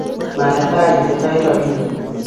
Ma netai imetoi robinik